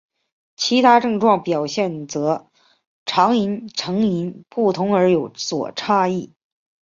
其他症状表现则常因成因不同而有所差异。